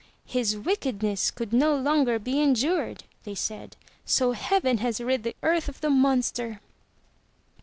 "His wickedness could no longer be endured, they said, "so heaven has rid the earth of the monster.'